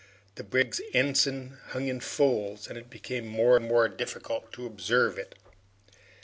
The brig's ensign hung in folds, and it became more and more difficult to observe it.